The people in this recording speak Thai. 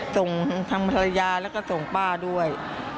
ส่งทางภรรยาแล้วก็ส่งป้าด้วย